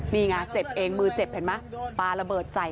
นี่ไงเจ็บเองมือเจ็บเห็นไหมปลาระเบิดใส่